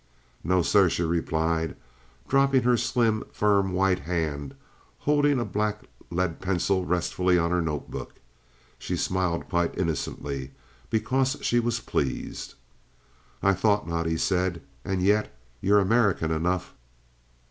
"No, sir," she replied, dropping her slim, firm, white hand, holding a black lead pencil restfully on her notebook. She smiled quite innocently because she was pleased. "I thought not," he said, "and yet you're American enough."